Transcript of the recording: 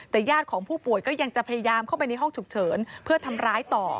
แต่ญาติของผู้ป่วยก็ยังจะพยายามเข้าไปในห้องฉุกเฉินเพื่อทำร้ายต่อ